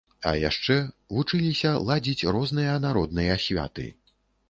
А яшчэ вучыліся ладзіць розныя народныя святы.